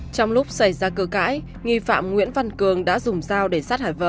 trong lúc xảy ra cơ cãi nghi phạm nguyễn văn cường đã dùng dao để sát hại vợ